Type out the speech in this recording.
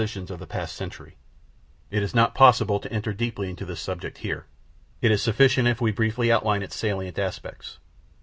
] It is not possible to enter deeply into this subject here. It is sufficient if we briefly outline its salient aspects.